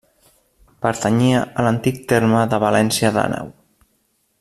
Pertanyia a l'antic terme de València d'Àneu.